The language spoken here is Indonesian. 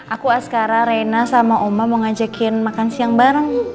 aku askara reina sama oma mau ngajakin makan siang bareng